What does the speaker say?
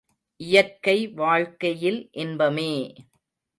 இயற்கை வாழ்க்கையில் இன்பமே!